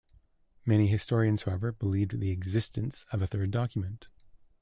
Many historians, however, believed the existence of a third document.